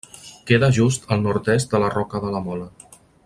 Queda just al nord-est de la Roca de la Mola.